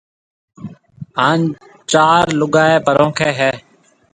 ھان چار لوگائيَ پرونکيَ ھيََََ